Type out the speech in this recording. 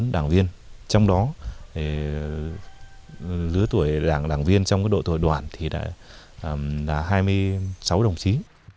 bốn đảng viên trong đó giữa tuổi đảng viên trong đội tuổi đoàn thì là hai mươi sáu đồng chí